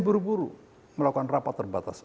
buru buru melakukan rapat terbatas